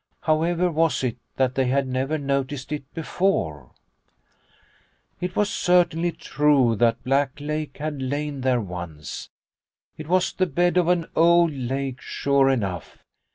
However was it that they had never noticed it before ? It was certainly true that Black Lake had lain there once ; it was the bed of an old lake sure enough.